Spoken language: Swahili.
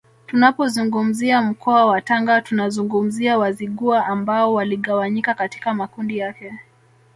Tunapozungumzia mkoa wa Tanga tunazungumzia Wazigua ambao waligawanyika katika makundi yake